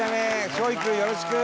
梢位君よろしく！